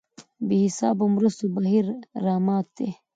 بې حسابو مرستو بهیر رامات دی.